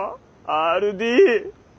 Ｒ・Ｄ？